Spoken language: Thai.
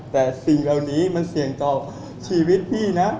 แต่สิ่งเหล่านี้มันเสี่ยงต่อชีวิตพี่นะ